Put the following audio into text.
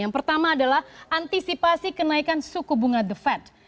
yang pertama adalah antisipasi kenaikan suku bunga the fed